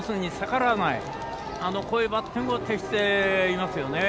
こういうバッティングに徹していますよね。